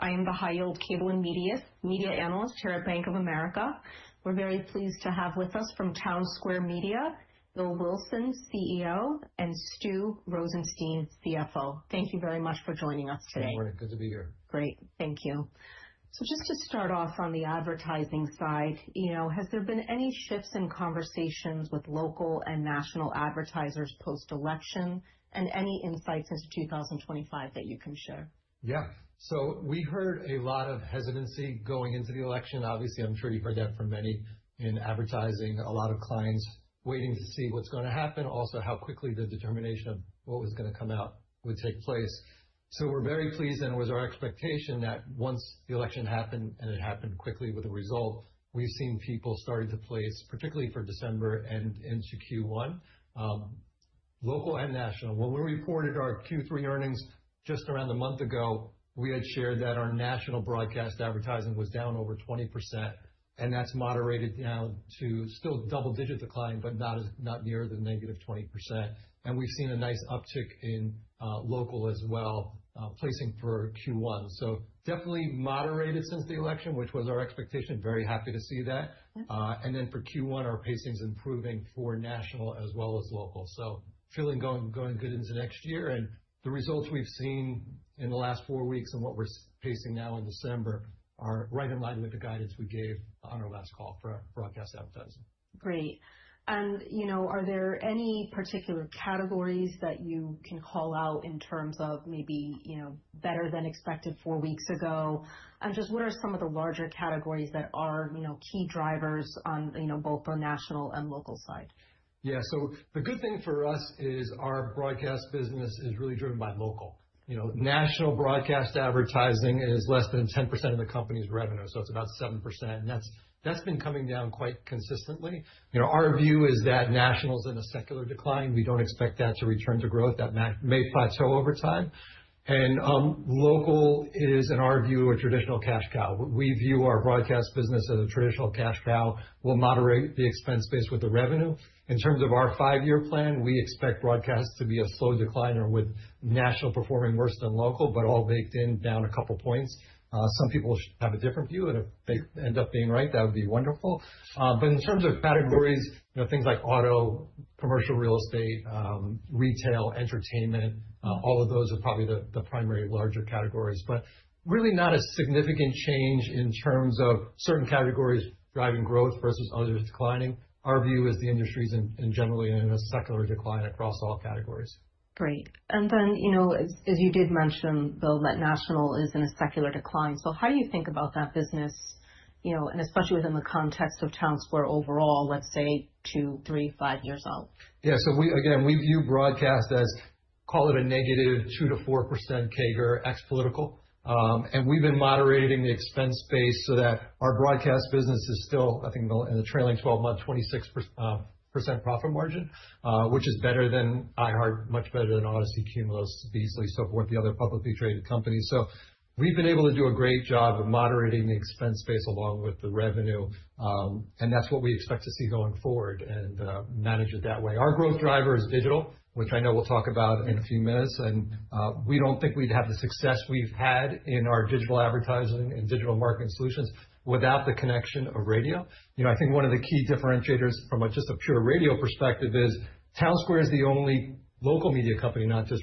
Hello. I am the high-yield cable and media analyst here at Bank of America. We're very pleased to have with us from Townsquare Media, Bill Wilson, CEO, and Stu Rosenstein, CFO. Thank you very much for joining us today. Good morning. Good to be here. Great. Thank you. So just to start off on the advertising side, you know, has there been any shifts in conversations with local and national advertisers post-election and any insights into 2025 that you can share? Yeah, so we heard a lot of hesitancy going into the election. Obviously, I'm sure you've heard that from many in advertising, a lot of clients waiting to see what's going to happen, also how quickly the determination of what was going to come out would take place, so we're very pleased, and it was our expectation that once the election happened and it happened quickly with a result, we've seen people starting to place, particularly for December and into Q1, local and national. When we reported our Q3 earnings just around a month ago, we had shared that our national broadcast advertising was down over 20%, and that's moderated down to still double-digit decline, but not near the -20%, and we've seen a nice uptick in local as well, placing for Q1, so definitely moderated since the election, which was our expectation. Very happy to see that. And then, for Q1, our pacing is improving for national as well as local. So, feeling going good into next year. And the results we've seen in the last four weeks and what we're pacing now in December are right in line with the guidance we gave on our last call for broadcast advertising. Great. And, you know, are there any particular categories that you can call out in terms of maybe, you know, better than expected four weeks ago? And just what are some of the larger categories that are, you know, key drivers on, you know, both the national and local side? Yeah, so the good thing for us is our broadcast business is really driven by local. You know, national broadcast advertising is less than 10% of the company's revenue, so it's about 7%, and that's been coming down quite consistently. You know, our view is that national is in a secular decline. We don't expect that to return to growth. That may plateau over time, and local is, in our view, a traditional cash cow. We view our broadcast business as a traditional cash cow. We'll moderate the expense base with the revenue. In terms of our five-year plan, we expect broadcast to be a slow decline with national performing worse than local, but all baked in down a couple points. Some people have a different view, and if they end up being right, that would be wonderful. But in terms of categories, you know, things like auto, commercial real estate, retail, entertainment, all of those are probably the primary larger categories, but really not a significant change in terms of certain categories driving growth versus others declining. Our view is the industry is generally in a secular decline across all categories. Great, and then, you know, as you did mention, Bill, that national is in a secular decline, so how do you think about that business, you know, and especially within the context of Townsquare overall, let's say two, three, five years out? Yeah. So we, again, we view broadcast as, call it a -2%-4% CAGR ex-political. And we've been moderating the expense base so that our broadcast business is still, I think, in the trailing 12-month 26% profit margin, which is better than iHeart, much better than Audacy, Cumulus, Beasley, so forth, the other publicly traded companies. So we've been able to do a great job of moderating the expense base along with the revenue. And that's what we expect to see going forward and manage it that way. Our growth driver is digital, which I know we'll talk about in a few minutes. And we don't think we'd have the success we've had in our digital advertising and digital marketing solutions without the connection of radio. You know, I think one of the key differentiators from just a pure radio perspective is Townsquare is the only local media company, not just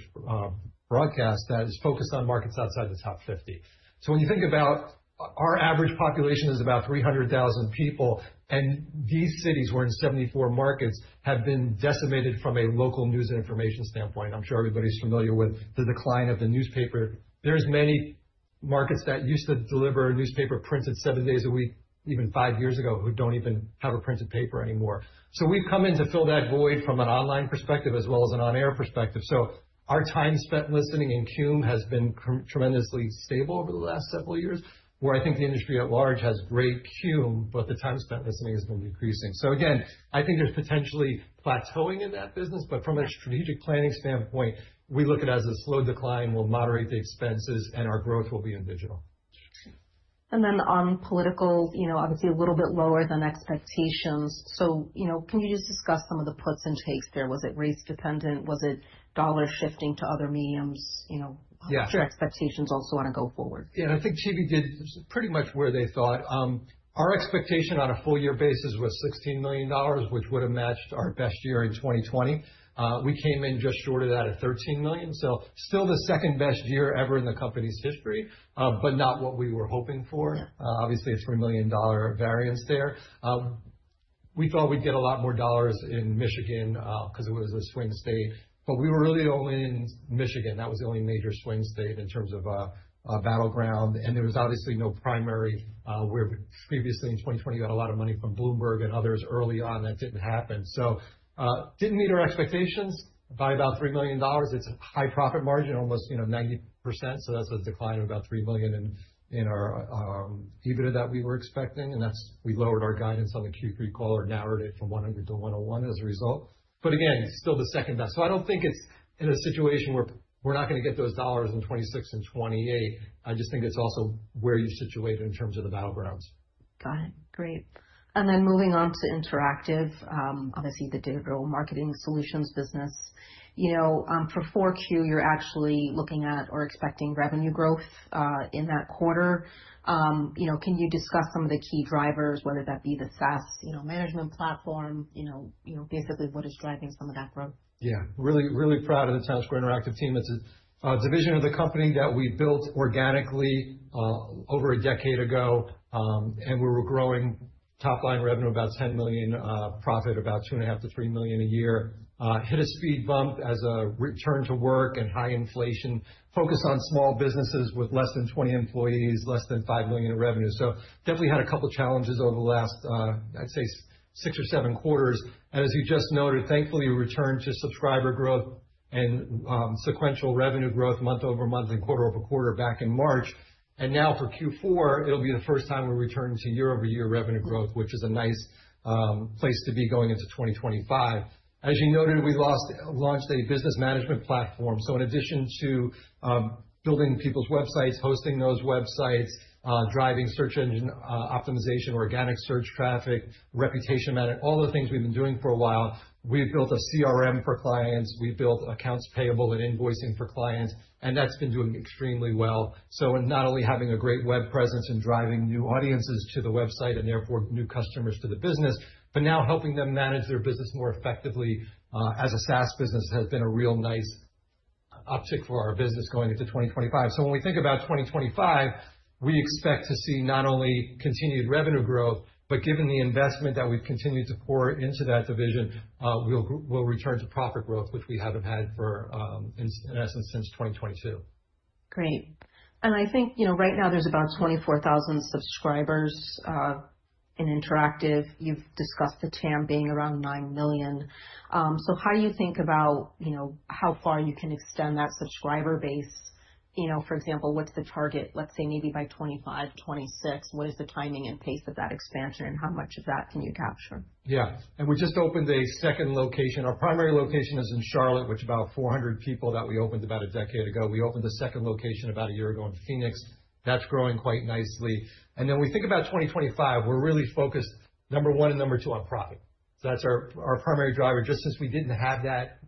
broadcast, that is focused on markets outside the top 50, so when you think about our average population is about 300,000 people, and these cities where 74 markets have been decimated from a local news and information standpoint, I'm sure everybody's familiar with the decline of the newspaper. There's many markets that used to deliver newspaper printed seven days a week, even five years ago, who don't even have a printed paper anymore, so we've come in to fill that void from an online perspective as well as an on-air perspective, so our time spent listening in cume has been tremendously stable over the last several years, where I think the industry at large has great cume, but the time spent listening has been decreasing. So again, I think there's potentially plateauing in that business, but from a strategic planning standpoint, we look at it as a slow decline. We'll moderate the expenses, and our growth will be in digital. On political, you know, obviously a little bit lower than expectations. You know, can you just discuss some of the puts and takes there? Was it rates dependent? Was it dollar shifting to other mediums? You know, your expectations also on a go forward? Yeah. And I think TV did pretty much where they thought. Our expectation on a full year basis was $16 million, which would have matched our best year in 2020. We came in just short of that at $13 million. So still the second best year ever in the company's history, but not what we were hoping for. Obviously, a $3 million variance there. We thought we'd get a lot more dollars in Michigan because it was a swing state, but we were really only in Michigan. That was the only major swing state in terms of battleground. And there was obviously no primary where previously in 2020 got a lot of money from Bloomberg and others early on that didn't happen. So didn't meet our expectations by about $3 million. It's a high profit margin, almost, you know, 90%. That's a decline of about $3 million in our EBITDA that we were expecting. And that's we lowered our guidance on the Q3 call, our narrative from 100 to 101 as a result. But again, still the second best. So I don't think it's in a situation where we're not going to get those dollars in 2026 and 2028. I just think it's also where you situate in terms of the battlegrounds. Got it. Great. And then moving on to interactive, obviously the digital marketing solutions business. You know, for Q4, you're actually looking at or expecting revenue growth in that quarter. You know, can you discuss some of the key drivers, whether that be the SaaS, you know, management platform, you know, basically what is driving some of that growth? Yeah. Really, really proud of the Townsquare Interactive team. It's a division of the company that we built organically over a decade ago, and we were growing top-line revenue about $10 million, profit about $2.5 million-$3 million a year. Hit a speed bump as a return to work and high inflation, focused on small businesses with less than 20 employees, less than $5 million in revenue. So definitely had a couple of challenges over the last, I'd say, six or seven quarters. And as you just noted, thankfully we returned to subscriber growth and sequential revenue growth month over month and quarter over quarter back in March. And now for Q4, it'll be the first time we're returning to year-over-year revenue growth, which is a nice place to be going into 2025. As you noted, we launched a business management platform. So in addition to building people's websites, hosting those websites, driving search engine optimization, organic search traffic, reputation management, all the things we've been doing for a while, we've built a CRM for clients. We've built accounts payable and invoicing for clients, and that's been doing extremely well. So not only having a great web presence and driving new audiences to the website and therefore new customers to the business, but now helping them manage their business more effectively as a SaaS business has been a real nice uptick for our business going into 2025. So when we think about 2025, we expect to see not only continued revenue growth, but given the investment that we've continued to pour into that division, we'll return to profit growth, which we haven't had for, in essence, since 2022. Great. And I think, you know, right now there's about 24,000 subscribers in interactive. You've discussed the TAM being around 9 million. So how do you think about, you know, how far you can extend that subscriber base? You know, for example, what's the target, let's say maybe by 2025, 2026? What is the timing and pace of that expansion and how much of that can you capture? Yeah. And we just opened a second location. Our primary location is in Charlotte, which is about 400 people that we opened about a decade ago. We opened the second location about a year ago in Phoenix. That's growing quite nicely. And then we think about 2025, we're really focused, number one and number two, on profit. So that's our primary driver. Just since we didn't have that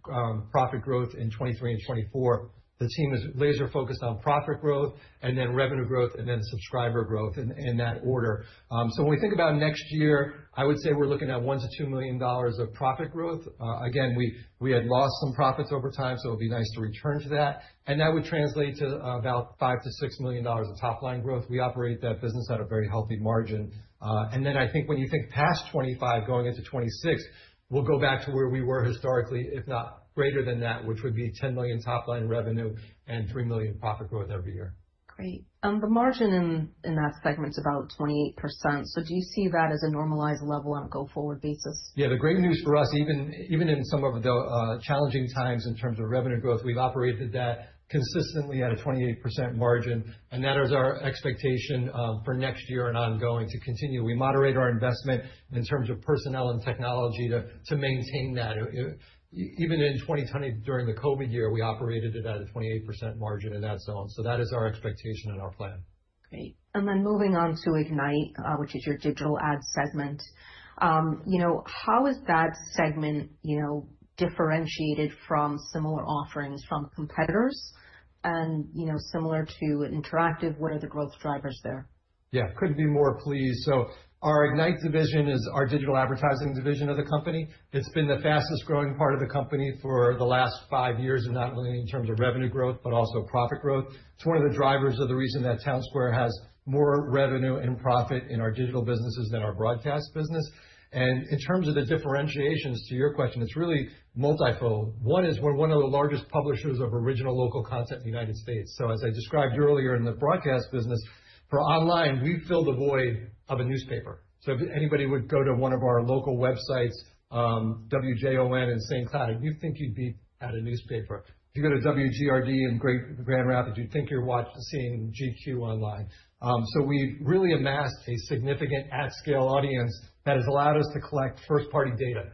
profit growth in 2023 and 2024, the team is laser-focused on profit growth and then revenue growth and then subscriber growth in that order. So when we think about next year, I would say we're looking at $1 million-$2 million of profit growth. Again, we had lost some profits over time, so it would be nice to return to that. And that would translate to about $5 million-$6 million of top-line growth. We operate that business at a very healthy margin, and then I think when you think past 2025, going into 2026, we'll go back to where we were historically, if not greater than that, which would be $10 million top-line revenue and $3 million profit growth every year. Great, and the margin in that segment's about 28%. So do you see that as a normalized level on a go forward basis? Yeah. The great news for us, even in some of the challenging times in terms of revenue growth, we've operated that consistently at a 28% margin, and that is our expectation for next year and ongoing to continue. We moderate our investment in terms of personnel and technology to maintain that. Even in 2020, during the COVID year, we operated it at a 28% margin in that zone, so that is our expectation and our plan. Great, and then moving on to Ignite, which is your digital ad segment, you know, how is that segment, you know, differentiated from similar offerings from competitors? And, you know, similar to Interactive, what are the growth drivers there? Yeah. Couldn't be more pleased. So our Ignite division is our digital advertising division of the company. It's been the fastest growing part of the company for the last five years, not only in terms of revenue growth, but also profit growth. It's one of the drivers of the reason that Townsquare has more revenue and profit in our digital businesses than our broadcast business. And in terms of the differentiations, to your question, it's really multifold. One is we're one of the largest publishers of original local content in the United States. So as I described earlier in the broadcast business, for online, we fill the void of a newspaper. So if anybody would go to one of our local websites, WJON and St. Cloud, you'd think you'd be at a newspaper. If you go to WGRD and Grand Rapids, you'd think you're seeing GQ online. We've really amassed a significant at-scale audience that has allowed us to collect first-party data.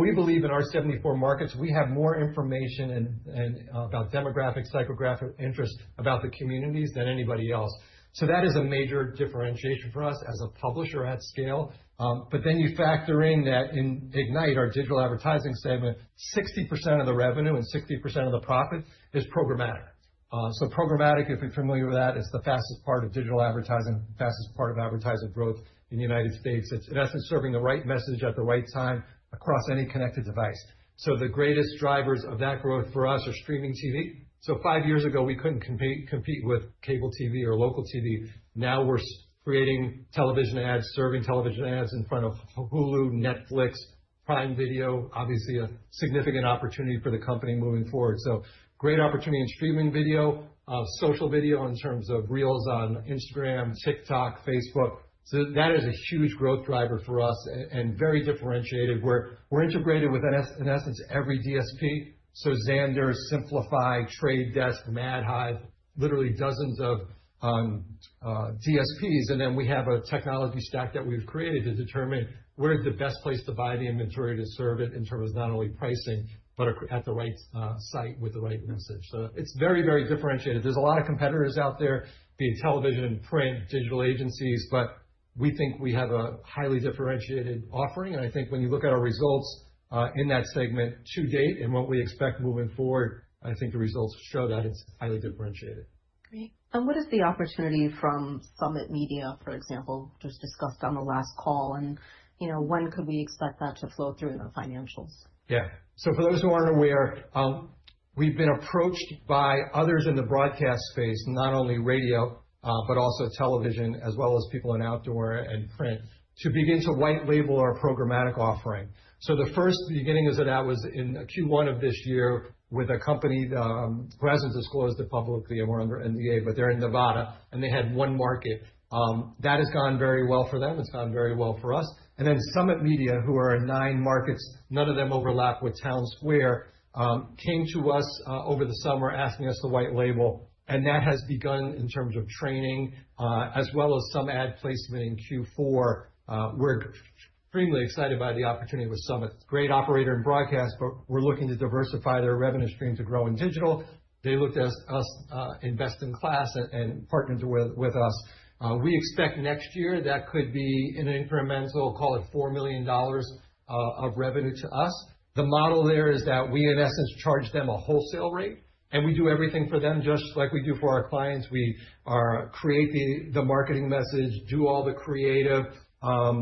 We believe in our 74 markets, we have more information about demographic, psychographic interest about the communities than anybody else. That is a major differentiation for us as a publisher at scale. Then you factor in that in Ignite, our digital advertising segment, 60% of the revenue and 60% of the profit is programmatic. Programmatic, if you're familiar with that, it's the fastest part of digital advertising, the fastest part of advertising growth in the United States. It's, in essence, serving the right message at the right time across any connected device. The greatest drivers of that growth for us are streaming TV. Five years ago, we couldn't compete with cable TV or local TV. Now we're creating television ads, serving television ads in front of Hulu, Netflix, Prime Video, obviously a significant opportunity for the company moving forward. So great opportunity in streaming video, social video in terms of reels on Instagram, TikTok, Facebook. So that is a huge growth driver for us and very differentiated. We're integrated with, in essence, every DSP. So Xandr, Simpli.fi, The Trade Desk, Madhive, literally dozens of DSPs. And then we have a technology stack that we've created to determine where's the best place to buy the inventory to serve it in terms of not only pricing, but at the right site with the right message. So it's very, very differentiated. There's a lot of competitors out there, be it television, print, digital agencies, but we think we have a highly differentiated offering. I think when you look at our results in that segment to date and what we expect moving forward, I think the results show that it's highly differentiated. Great. And what is the opportunity from SummitMedia, for example, just discussed on the last call? And, you know, when could we expect that to flow through in the financials? Yeah, so for those who aren't aware, we've been approached by others in the broadcast space, not only radio, but also television, as well as people in outdoor and print, to begin to white label our programmatic offering. So the first beginning of that was in Q1 of this year with a company who hasn't disclosed it publicly and we're under NDA, but they're in Nevada and they had one market. That has gone very well for them. It's gone very well for us. And then SummitMedia, who are nine markets, none of them overlap with Townsquare, came to us over the summer asking us to white label. And that has begun in terms of training, as well as some ad placement in Q4. We're extremely excited by the opportunity with Summit. Great operator in broadcast, but we're looking to diversify their revenue stream to grow in digital. They looked at us as best in class and partnered with us. We expect next year that could be an incremental, call it $4 million of revenue to us. The model there is that we, in essence, charge them a wholesale rate and we do everything for them just like we do for our clients. We create the marketing message, do all the creative, not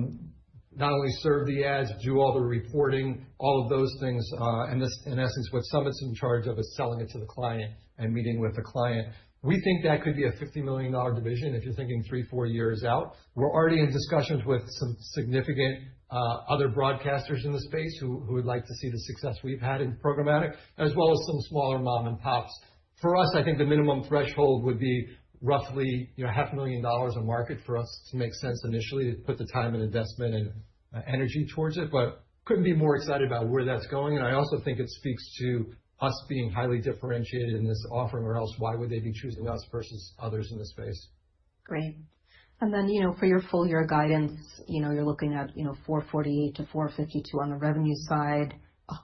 only serve the ads, do all the reporting, all of those things. And this, in essence, what Summit's in charge of is selling it to the client and meeting with the client. We think that could be a $50 million division if you're thinking three, four years out. We're already in discussions with some significant other broadcasters in the space who would like to see the success we've had in programmatic, as well as some smaller mom-and-pops. For us, I think the minimum threshold would be roughly, you know, $500,000 a market for us to make sense initially to put the time and investment and energy towards it, but couldn't be more excited about where that's going. And I also think it speaks to us being highly differentiated in this offering or else why would they be choosing us versus others in the space? Great. And then, you know, for your full year guidance, you know, you're looking at, you know, $448-$452 on the revenue side,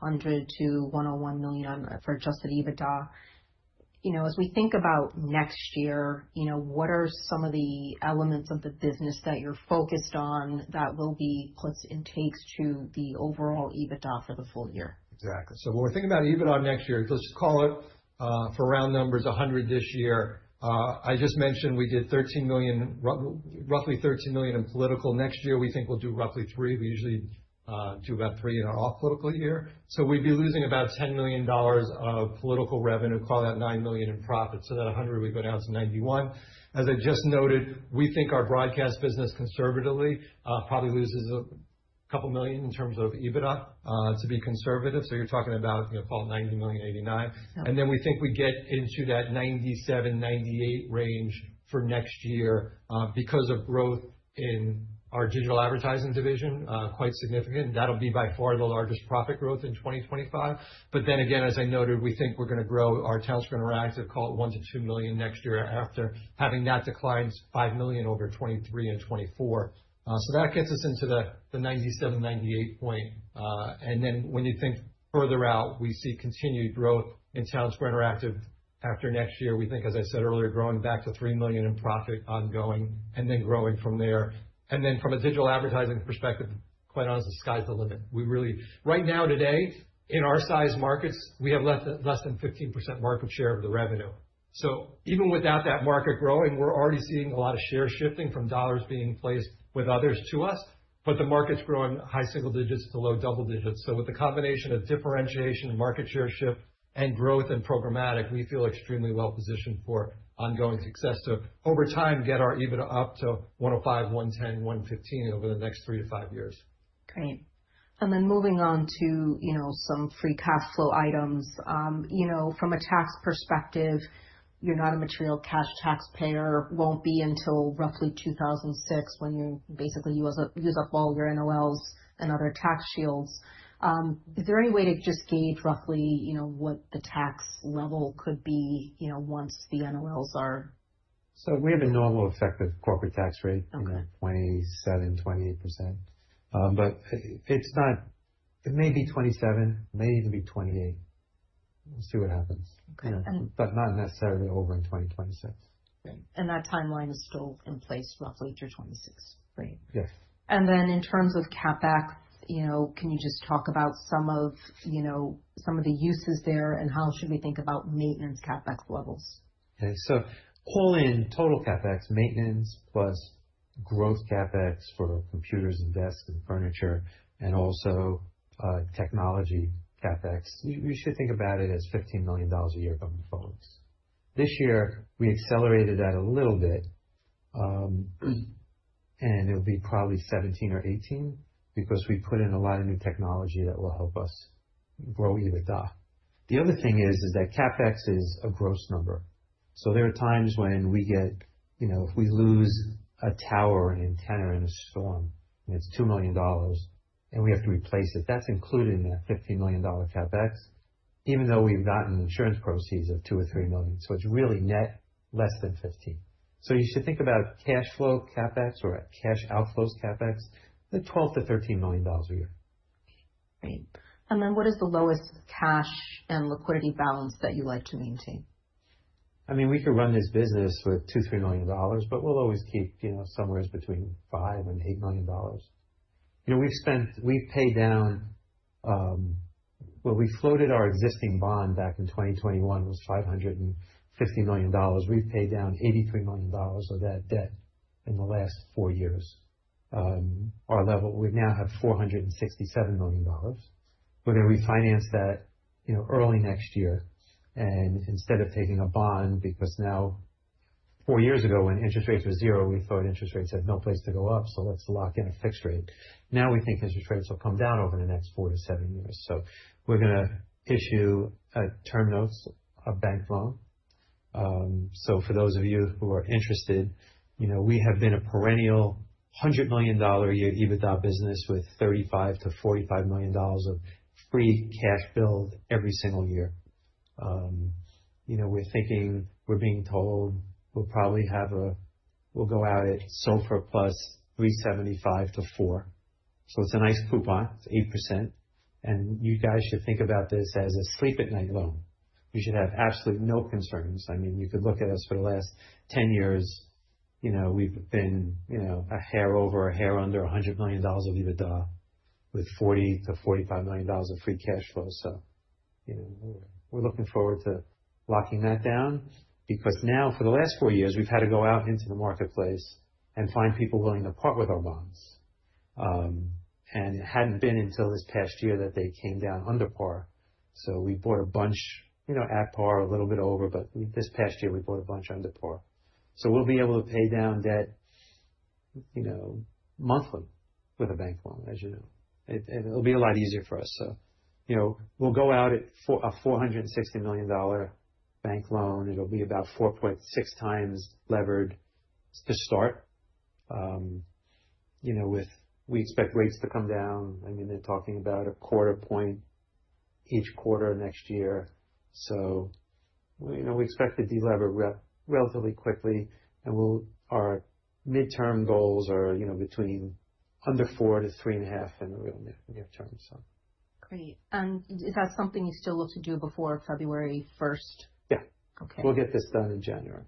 $100-$101 million for adjusted EBITDA. You know, as we think about next year, you know, what are some of the elements of the business that you're focused on that will be clips and takes to the overall EBITDA for the full year? Exactly. So when we're thinking about EBITDA next year, let's call it for round numbers $100 million this year. I just mentioned we did $13 million, roughly $13 million in political. Next year, we think we'll do roughly $3 million. We usually do about $3 million in our off-political year. So we'd be losing about $10 million of political revenue, call that $9 million in profit. So that $100 million, we go down to $91 million. As I just noted, we think our broadcast business conservatively probably loses a couple million in terms of EBITDA to be conservative. So you're talking about, you know, call it $90 million, $89 million. And then we think we get into that $97-$98 million range for next year because of growth in our digital advertising division, quite significant. That'll be by far the largest profit growth in 2025. But then again, as I noted, we think we're going to grow our Townsquare Interactive, call it $1 million-$2 million next year after having that declined $5 million over 2023 and 2024. So that gets us into the 97-98 point. And then when you think further out, we see continued growth in Townsquare Interactive after next year. We think, as I said earlier, growing back to $3 million in profit ongoing and then growing from there. And then from a digital advertising perspective, quite honestly, the sky's the limit. We really, right now today, in our size markets, we have less than 15% market share of the revenue. So even without that market growing, we're already seeing a lot of share shifting from dollars being placed with others to us, but the market's growing high single digits to low double digits. So with the combination of differentiation and market share shift and growth and programmatic, we feel extremely well positioned for ongoing success to over time get our EBITDA up to 105, 110, 115 over the next three to five years. Great. And then moving on to, you know, some free cash flow items, you know, from a tax perspective, you're not a material cash taxpayer, won't be until roughly 2006 when you basically use up all your NOLs and other tax shields. Is there any way to just gauge roughly, you know, what the tax level could be, you know, once the NOLs are? So we have a normal effective corporate tax rate in 27%-28%. But it's not, it may be 27, may even be 28. We'll see what happens. But not necessarily over in 2026. Great, and that timeline is still in place roughly through 2026. Great. Yes. And then in terms of CapEx, you know, can you just talk about some of the uses there and how should we think about maintenance CapEx levels? Okay. So all in total CapEx, maintenance plus growth CapEx for computers and desks and furniture and also technology CapEx, we should think about it as $15 million a year going forward. This year, we accelerated that a little bit and it'll be probably $17 or $18 million because we put in a lot of new technology that will help us grow EBITDA. The other thing is that CapEx is a gross number. So there are times when we get, you know, if we lose a tower, an antenna in a storm, it's $2 million and we have to replace it. That's included in that $15 million CapEx, even though we've gotten insurance proceeds of $2 or $3 million. So it's really net less than $15 million. So you should think about cash flow CapEx or cash outflows CapEx, the $12-$13 million a year. Great. And then what is the lowest cash and liquidity balance that you like to maintain? I mean, we could run this business with $2 million, $3 million, but we'll always keep, you know, somewhere between $5 million and $8 million. You know, we've spent, we've paid down, well, we floated our existing bond back in 2021, it was $550 million. We've paid down $83 million of that debt in the last four years. Our level, we now have $467 million. We're going to refinance that, you know, early next year. And instead of taking a bond, because now four years ago when interest rates were zero, we thought interest rates had no place to go up. So let's lock in a fixed rate. Now we think interest rates will come down over the next four to seven years. So we're going to issue term notes, a bank loan. For those of you who are interested, you know, we have been a perennial $100 million a year EBITDA business with $35 million-$45 million of free cash flow every single year. You know, we're thinking, we're being told we'll probably have a, we'll go out at SOFR plus 375 to 4. So it's a nice coupon, it's 8%. And you guys should think about this as a sleep at night loan. You should have absolutely no concerns. I mean, you could look at us for the last 10 years, you know, we've been, you know, a hair over, a hair under $100 million of EBITDA with $40 million-$45 million of free cash flow. So, you know, we're looking forward to locking that down because now for the last four years, we've had to go out into the marketplace and find people willing to part with our bonds. And it hadn't been until this past year that they came down under par. So we bought a bunch, you know, at par a little bit over, but this past year we bought a bunch under par. So we'll be able to pay down debt, you know, monthly with a bank loan, as you know. It'll be a lot easier for us. So, you know, we'll go out at a $460 million bank loan. It'll be about 4.6 times levered to start. You know, with, we expect rates to come down. I mean, they're talking about a quarter point each quarter next year. So, you know, we expect to de-lever relatively quickly and we'll, our midterm goals are, you know, between under four to three and a half in the real near term. Great. And is that something you still look to do before February 1st? Yeah. We'll get this done in January.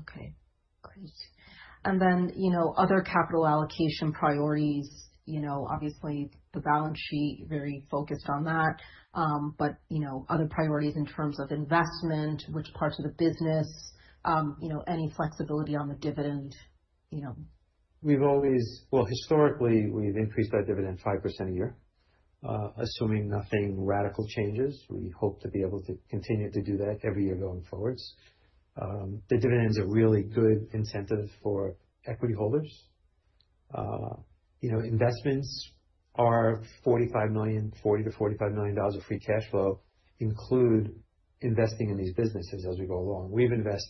Okay. Great, and then, you know, other capital allocation priorities, you know, obviously the balance sheet, very focused on that, but, you know, other priorities in terms of investment, which parts of the business, you know, any flexibility on the dividend, you know? We've always, well, historically we've increased our dividend 5% a year, assuming nothing radical changes. We hope to be able to continue to do that every year going forwards. The dividends are really good incentive for equity holders. You know, investments are $40 million-$45 million of free cash flow include investing in these businesses as we go along. We've invested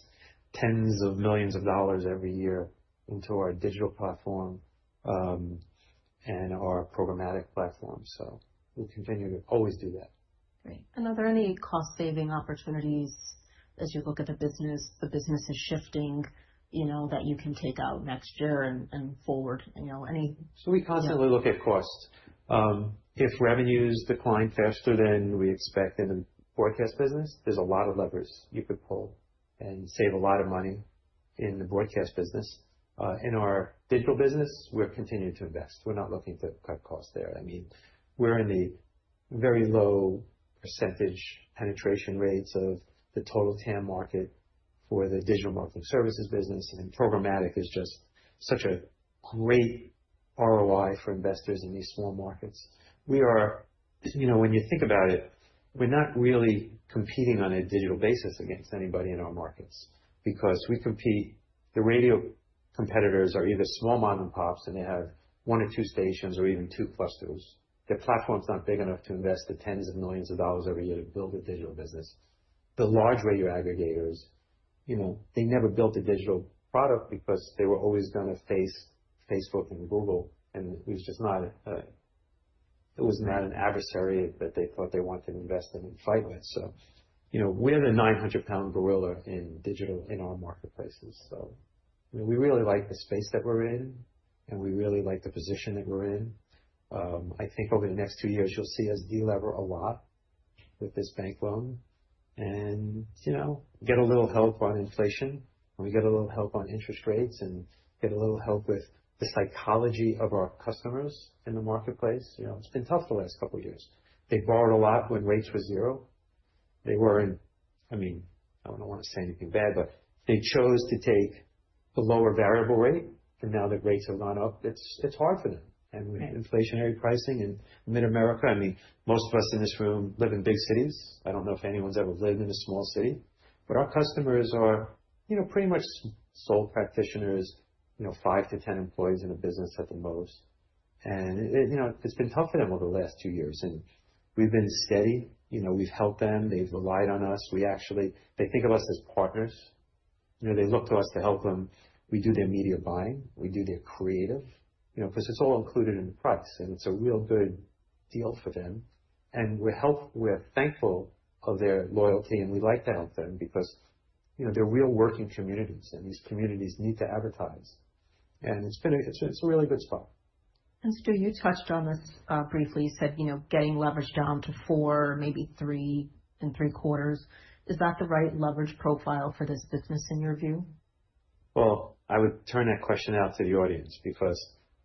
tens of millions of dollars every year into our digital platform and our programmatic platform. So we'll continue to always do that. Great. And are there any cost-saving opportunities as you look at the business, the business is shifting, you know, that you can take out next year and forward, you know, any? So we constantly look at costs. If revenues decline faster than we expect in the broadcast business, there's a lot of levers you could pull and save a lot of money in the broadcast business. In our digital business, we're continuing to invest. We're not looking to cut costs there. I mean, we're in the very low percentage penetration rates of the total TAM market for the digital marketing services business. And programmatic is just such a great ROI for investors in these small markets. We are, you know, when you think about it, we're not really competing on a digital basis against anybody in our markets because we compete. The radio competitors are either small mom-and-pops and they have one or two stations or even two clusters. Their platform's not big enough to invest the tens of millions of dollars every year to build a digital business. The large radio aggregators, you know, they never built a digital product because they were always going to face Facebook and Google, and it was just not, it was not an adversary that they thought they wanted to invest in and fight with, so you know, we're the 900-pound gorilla in digital in our marketplaces, so you know, we really like the space that we're in and we really like the position that we're in. I think over the next two years, you'll see us de-lever a lot with this bank loan and, you know, get a little help on inflation and we get a little help on interest rates and get a little help with the psychology of our customers in the marketplace. You know, it's been tough the last couple of years. They borrowed a lot when rates were zero. They were in, I mean, I don't want to say anything bad, but they chose to take the lower variable rate and now the rates have gone up. It's hard for them. And with inflationary pricing in mid-America, I mean, most of us in this room live in big cities. I don't know if anyone's ever lived in a small city. But our customers are, you know, pretty much sole practitioners, you know, five to ten employees in a business at the most. And, you know, it's been tough for them over the last two years. And we've been steady. You know, we've helped them. They've relied on us. We actually, they think of us as partners. You know, they look to us to help them. We do their media buying. We do their creative, you know, because it's all included in the price and it's a real good deal for them. And we're helped, we're thankful of their loyalty and we like to help them because, you know, they're real working communities and these communities need to advertise. And it's been, it's a really good spot. Stu, you touched on this briefly. You said, you know, getting leveraged down to four, maybe three and three quarters. Is that the right leverage profile for this business in your view? I would turn that question out to the audience because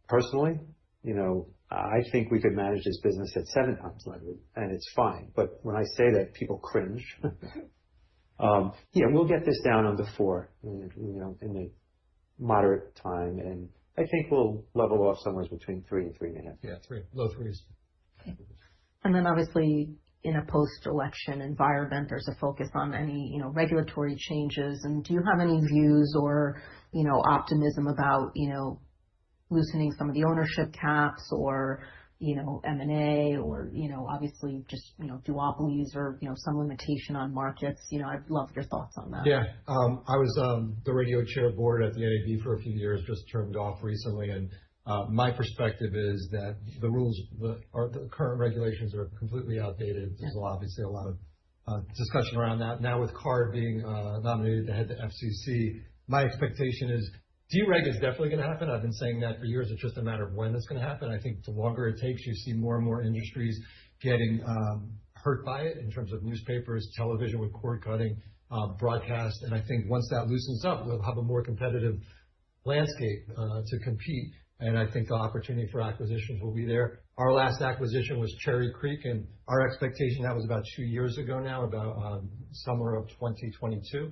personally, you know, I think we could manage this business at seven times leverage and it's fine. But when I say that, people cringe. Yeah, we'll get this down under four, you know, in the moderate time. I think we'll level off somewhere between three and three and a half. Yeah, three, low threes. Okay. And then obviously in a post-election environment, there's a focus on any, you know, regulatory changes. And do you have any views or, you know, optimism about, you know, loosening some of the ownership caps or, you know, M&A or, you know, obviously just, you know, duopolies or, you know, some limitation on markets? You know, I'd love your thoughts on that. Yeah. I was the radio chair of the board at the NAB for a few years, just turned over recently. And my perspective is that the rules, the current regulations are completely outdated. There's obviously a lot of discussion around that. Now with Carr being nominated to head the FCC, my expectation is dereg is definitely going to happen. I've been saying that for years. It's just a matter of when it's going to happen. I think the longer it takes, you see more and more industries getting hurt by it in terms of newspapers, television with cord cutting, broadcast. And I think once that loosens up, we'll have a more competitive landscape to compete. And I think the opportunity for acquisitions will be there. Our last acquisition was Cherry Creek, and that was about two years ago now, about summer of 2022.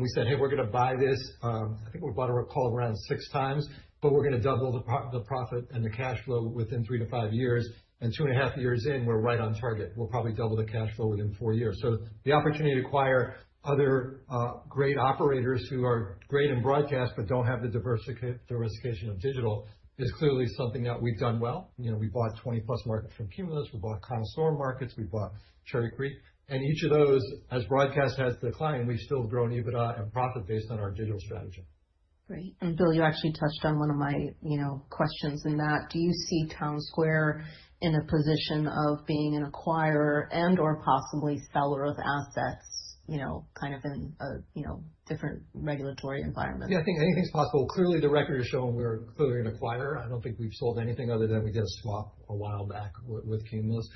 We said, hey, we're going to buy this. I think we bought at a multiple of around six times, but we're going to double the profit and the cash flow within three to five years. Two and a half years in, we're right on target. We'll probably double the cash flow within four years. So the opportunity to acquire other great operators who are great in broadcast but don't have the diversification of digital is clearly something that we've done well. You know, we bought 20 plus markets from Cumulus. We bought Connoisseur markets. We bought Cherry Creek. Each of those, as broadcast has declined, we've still grown EBITDA and profit based on our digital strategy. Great, and Bill, you actually touched on one of my, you know, questions in that. Do you see Townsquare in a position of being an acquirer and/or possibly seller of assets, you know, kind of in a, you know, different regulatory environment? Yeah, I think anything's possible. Clearly the record is showing we're clearly an acquirer. I don't think we've sold anything other than we did a swap a while back with Cumulus,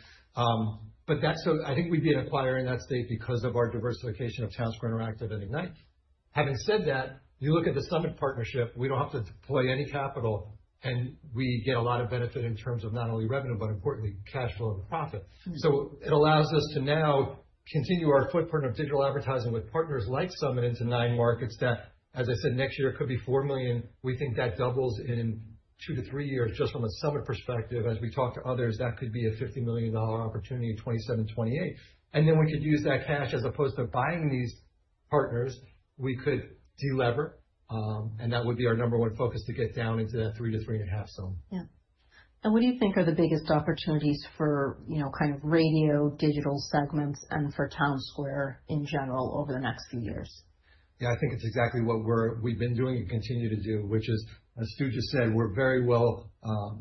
but that's so. I think we'd be an acquirer in that state because of our diversification of Townsquare Interactive and Ignite. Having said that, you look at the Summit partnership. We don't have to deploy any capital and we get a lot of benefit in terms of not only revenue, but importantly, cash flow and profit. So it allows us to now continue our footprint of digital advertising with partners like Summit into nine markets that, as I said, next year could be $4 million. We think that doubles in two to three years just from a Summit perspective. As we talk to others, that could be a $50 million opportunity in 2027, 2028. And then we could use that cash as opposed to buying these partners. We could de-lever and that would be our number one focus to get down into that 3 to 3.5 zone. Yeah. And what do you think are the biggest opportunities for, you know, kind of radio digital segments and for Townsquare in general over the next few years? Yeah, I think it's exactly what we've been doing and continue to do, which is, as Stu just said, we're very well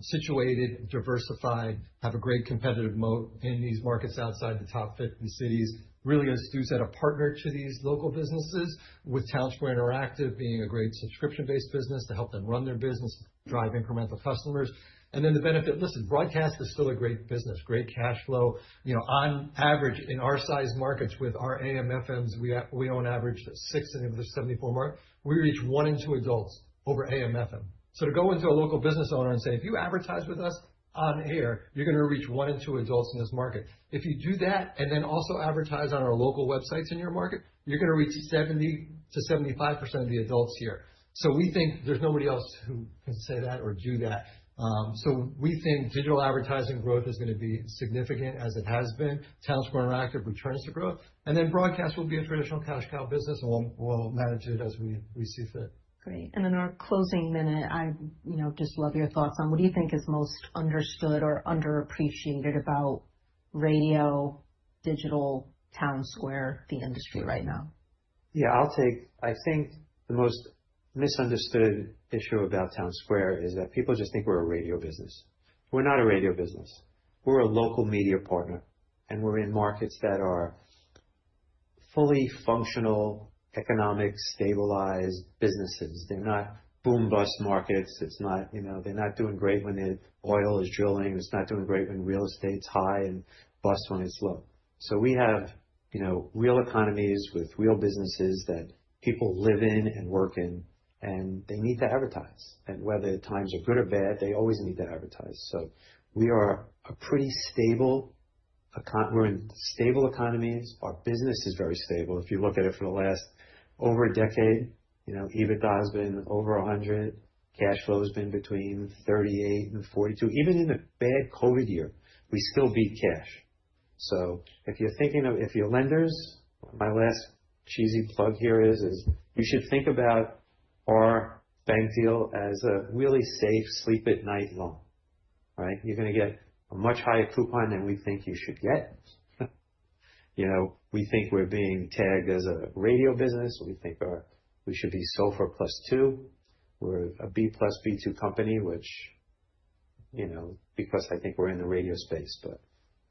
situated, diversified, have a great competitive moat in these markets outside the top 50 cities. Really, as Stu said, a partner to these local businesses with Townsquare Interactive being a great subscription-based business to help them run their business, drive incremental customers. And then the benefit, listen, broadcast is still a great business, great cash flow. You know, on average in our size markets with our AM/FMs, we own average six and another 74 markets. We reach one in two adults over AM/FM. So to go into a local business owner and say, if you advertise with us on air, you're going to reach one in two adults in this market. If you do that and then also advertise on our local websites in your market, you're going to reach 70%-75% of the adults here, so we think there's nobody else who can say that or do that, so we think digital advertising growth is going to be significant as it has been. Townsquare Interactive returns to growth, and then broadcast will be a traditional cash cow business and we'll manage it as we see fit. Great. And in our closing minute, I, you know, just love your thoughts on what do you think is most understood or underappreciated about radio, digital, Townsquare, the industry right now? Yeah, I'll take. I think the most misunderstood issue about Townsquare is that people just think we're a radio business. We're not a radio business. We're a local media partner and we're in markets that are fully functional, economic, stabilized businesses. They're not boom bust markets. It's not, you know, they're not doing great when the oil is drilling. It's not doing great when real estate's high and bust when it's low. So we have, you know, real economies with real businesses that people live in and work in and they need to advertise. And whether times are good or bad, they always need to advertise. So we are a pretty stable. We're in stable economies. Our business is very stable. If you look at it for the last over a decade, you know, EBITDA has been over $100 million. Cash flow has been between $38 million and $42 million. Even in a bad COVID year, we still beat cash. So if you're thinking of, if you're lenders, my last cheesy plug here is you should think about our bank deal as a really safe sleep at night loan, right? You're going to get a much higher coupon than we think you should get. You know, we think we're being tagged as a radio business. We think we should be SOFR plus two. We're a B+ B2 company, which, you know, because I think we're in the radio space. But,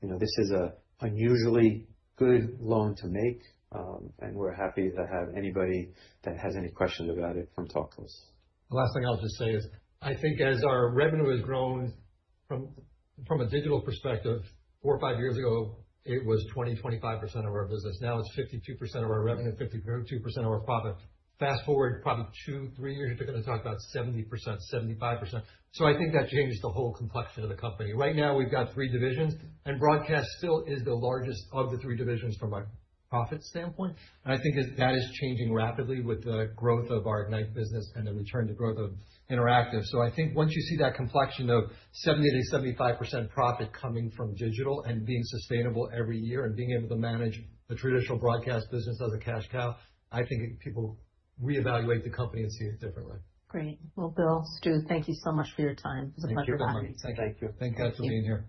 you know, this is an unusually good loan to make and we're happy to have anybody that has any questions about it come talk to us. The last thing I'll just say is I think as our revenue has grown from a digital perspective, four or five years ago, it was 20%-25% of our business. Now it's 52% of our revenue, 52% of our profit. Fast forward probably two, three years, you're going to talk about 70%-75%, so I think that changes the whole complexity of the company. Right now we've got three divisions and broadcast still is the largest of the three divisions from a profit standpoint, and I think that is changing rapidly with the growth of our Ignite business and the return to growth of Interactive, so I think once you see that complexion of 70%-75% profit coming from digital and being sustainable every year and being able to manage the traditional broadcast business as a cash cow, I think people reevaluate the company and see it differently. Great. Well, Bill, Stu, thank you so much for your time. It was a pleasure talking to you. Thank you. Thank you. Thank you. Thanks for being here.